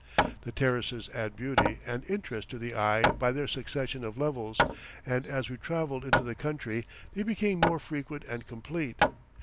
The terraces add beauty and interest to the eye by their succession of levels, and as we traveled into the country they became more frequent and complete.